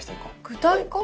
具体化？